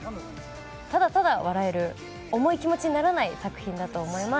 ただただ笑える重い気持ちにならない作品だと思います。